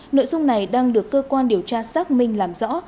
nội dung này đang được cơ quan điều tra xác minh làm rõ